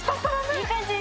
いい感じ。